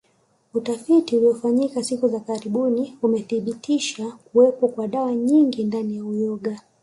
Utafiti uliofanyika siku za karibuni umethibitisha kuwepo kwa dawa nyingi ndani ya uyoga